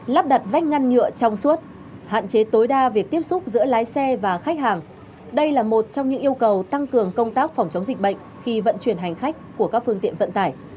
lắp đặt vách ngăn nhựa trong suốt hạn chế tối đa việc tiếp xúc giữa lái xe và khách hàng đây là một trong những yêu cầu tăng cường công tác phòng chống dịch bệnh khi vận chuyển hành khách của các phương tiện vận tải